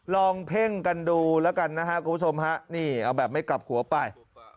ลองเพ่งกันดูแล้วกันนะครับคุณผู้ชมฮะนี่เอาแบบไม่กลับหัวไป